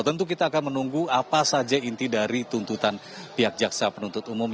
tentu kita akan menunggu apa saja inti dari tuntutan pihak jaksa penuntut umum